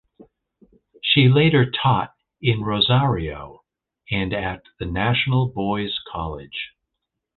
She later taught in Rosario and at the National Boys College.